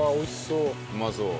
うまそう。